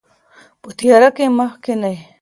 په تیاره کې مه کښینئ.